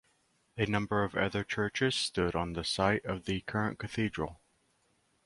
A number of other churches stood on the site of the current cathedral.